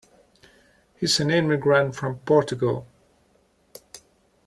He's an immigrant from Portugal.